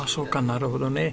なるほどね。